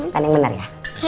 kan yang bener ya